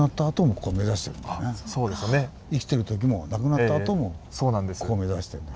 生きてる時も亡くなったあともここを目指してんだ。